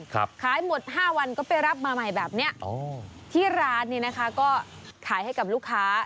ขายหมดห้าวันก็ไปรับมาใหม่แบบเนี้ยอ๋อที่ร้านเนี่ยนะคะก็ขายให้กับลูกค้า